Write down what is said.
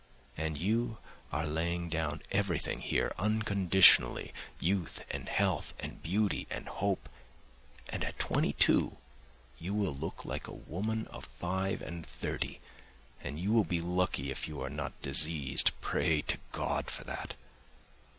And you are laying down everything here, unconditionally, youth and health and beauty and hope, and at twenty two you will look like a woman of five and thirty, and you will be lucky if you are not diseased, pray to God for that!